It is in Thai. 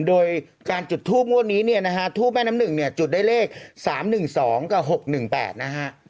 โดยการจุดทูปงวดนี้เนี่ยนะฮะทูบแม่น้ำหนึ่งเนี่ยจุดได้เลข๓๑๒กับ๖๑๘นะฮะ